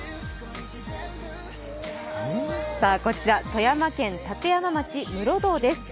こちら富山県立山町、室堂です。